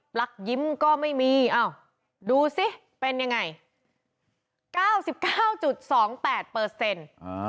ลักยิ้มก็ไม่มีอ้าวดูสิเป็นยังไงเก้าสิบเก้าจุดสองแปดเปอร์เซ็นต์